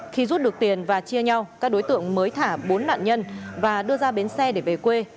khi rút được tiền và chia nhau các đối tượng mới thả bốn nạn nhân và đưa ra bến xe để về quê